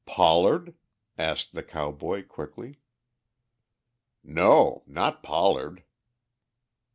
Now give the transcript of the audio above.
"Pollard?" asked the cowboy quickly. "No. Not Pollard."